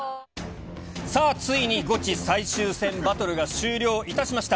さあ、ついにゴチ最終戦バトルが終了いたしました。